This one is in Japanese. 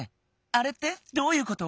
あれってどういうこと？